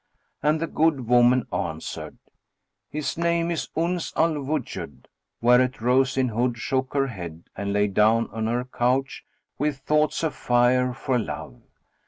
and the good woman answered, "His name is Uns al Wujud;" whereat Rose in Hood shook her head and lay down on her couch, with thoughts a fire for love.